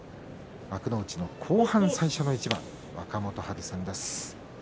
幕内の後半最初の一番若元春戦です。